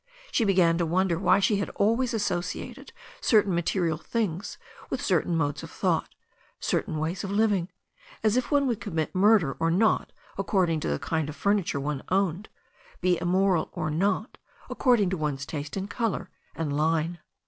She began to wonder why she had always associated certain material things with certain modes of thought, certain ways of liv ing, as if one would commit murder or not according to the kind of furniture one owned, be immoral or not according to one's taste in colour and line.